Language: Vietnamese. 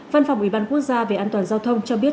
văn phòng ủy ban quốc gia về an toàn giao thông cho biết